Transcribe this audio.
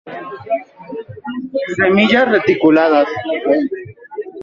Semillas reticuladas.